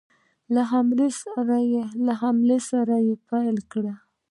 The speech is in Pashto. له سره حملې پیل کړې.